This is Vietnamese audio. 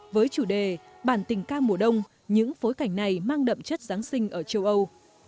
với chủ đề bản tình ca mùa đông những phối cảnh này mang đậm chất giáng sinh ở châu âu